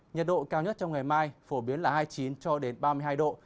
nhiệt độ cao nhất trong ngày mai phổ biến là hai mươi chín cho đến ba mươi hai độ